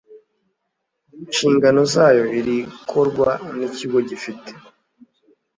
nshingano zayo irikorwa n ikigo gifite